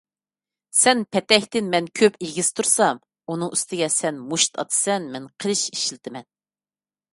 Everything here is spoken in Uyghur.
سەن پەتەكتىن مەن كۆپ ئېگىز تۇرسام، ئۇنىڭ ئۈستىگە سەن مۇشت ئاتىسەن، مەن قىلىچ ئىشلىتىمەن.